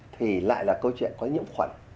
thì lại là câu chuyện có nhiễm khuẩn